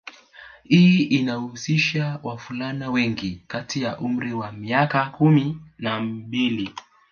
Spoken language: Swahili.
Hii inahusisha wavulana wengi kati ya umri wa miaka kumi na mbili